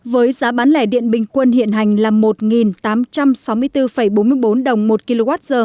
với giá bán lẻ điện bình quân hiện hành là một tám trăm sáu mươi bốn bốn mươi bốn đồng một kwh